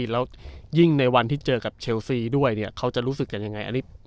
แล้วยิ่งในวันที่เจอกับเชลซีด้วยเขาจะรู้สึกกันยังไง